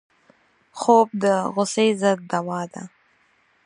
خوب د غصې ضد دوا ده